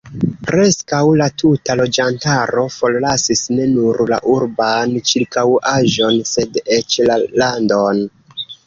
Preskaŭ la tuta loĝantaro forlasis ne nur la urban ĉirkaŭaĵon, sed eĉ la landon.